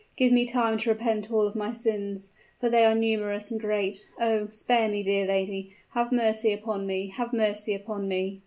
Give me time to repent of all my sins for they are numerous and great! Oh! spare me, dear lady have mercy upon me have mercy upon me!"